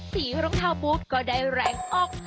รองเท้าบูธก็ได้แรงออก